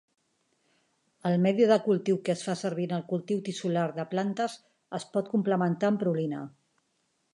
El medi de cultiu que es fa servir en el cultiu tissular de plantes es pot complementar amb prolina.